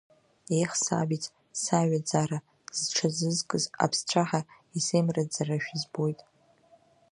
Ех, сабиц, саҩаӡара зҽазызкыз аԥсцәаҳа исеимраӡарашәа збоит!